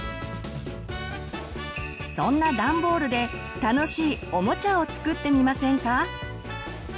そんなダンボールで楽しいおもちゃを作ってみませんか？